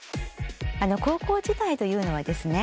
高校時代というのはですね